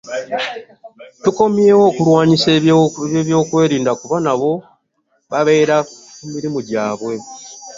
Tukomye okulwanyisa ab'ebyokwerinda kuba nabo babeera ku mirimu egyabwe.